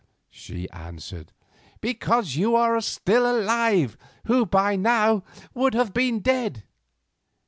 she answered. "Because you are still alive, who by now would have been dead."